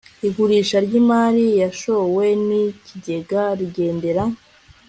igurisha ry imari yashowe n ikigega rigendera